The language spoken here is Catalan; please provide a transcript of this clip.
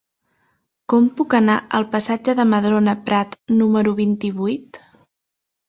Com puc anar al passatge de Madrona Prat número vint-i-vuit?